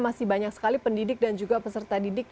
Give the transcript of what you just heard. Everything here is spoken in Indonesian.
masih banyak sekali pendidik dan juga peserta didik